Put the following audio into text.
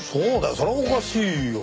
それはおかしいよ。